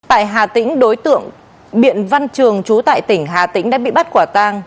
tại hà tĩnh đối tượng biện văn trường trú tại tỉnh hà tĩnh đã bị bắt quả tang